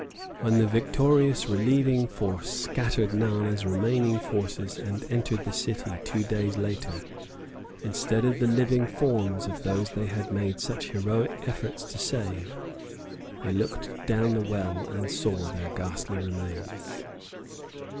When the victorious relieving force scattered Nana's remaining forces and entered the city, two days later, instead of the living forms of those they had made such heroic efforts to save, they looked down the well and saw their ghastly remains.